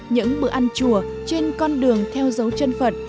những bữa ăn chùa trên con đường theo dấu chân phật